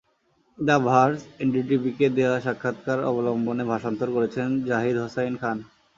The Verge, এনডিটিভিকে দেওয়া সাক্ষাৎকার অবলম্বনে ভাষান্তর করেছেন জাহিদ হোসাইন খান।